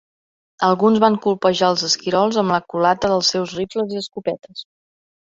Alguns van colpejar els esquirols amb la culata dels seus rifles i escopetes.